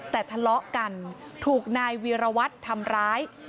แต่ทะเลาะกันถูกนายวีรวัตรทำร้าย